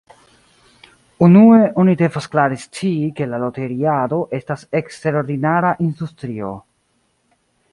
Unue, oni devas klare scii ke la loteriado estas eksterordinara industrio.